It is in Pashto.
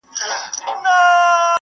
د پښتو ژبي په کلاسیک ادب کي یې -